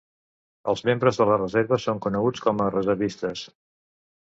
Els membres de la reserva són coneguts com a reservistes.